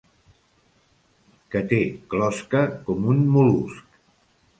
Que té closca, com un mol·lusc.